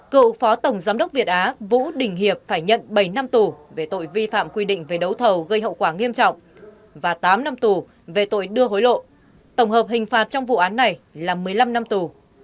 cựu phó tổng giám đốc việt á vũ đình hiệp phải nhận bảy năm tù về tội vi phạm quy định về đấu thầu gây hậu quả nghiêm trọng và tám năm tù về tội đưa hối lộ tổng hợp hình phạt trong vụ án này là một mươi năm năm tù